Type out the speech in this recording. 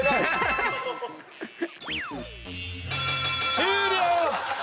終了！